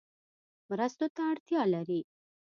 مرستو ته اړتیا لري